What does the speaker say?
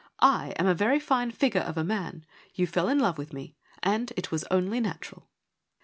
I am a very fine figure of a man : you fell in love with me ; and it was only natural.'